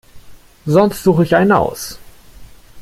Sonst suche ich einen aus.